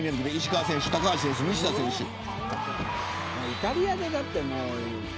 イタリアで、だってもう。